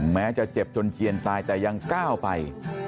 แม้จะเจ็บจนเจียนตายแต่ยังก้าวไป